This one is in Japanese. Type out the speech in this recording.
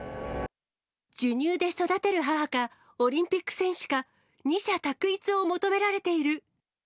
授乳で育てる母か、オリンピック選手か、二者択一を求められている。